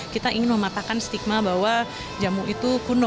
kita ingin mematahkan stigma bahwa jamu itu kuno